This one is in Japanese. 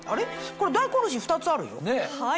大根おろし２つあるよ。